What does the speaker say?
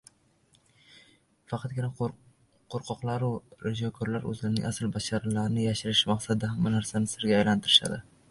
Faqatgina qo‘rqoqlaru riyokorlar o‘zlarining asl basharalarini yashirish maqsadida hamma narsani sirga aylantirishadi.